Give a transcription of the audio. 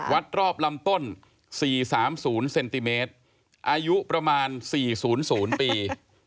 วัดรอบลำต้น๔๓๐เซนติเมตรอายุประมาณ๔๐๐ปี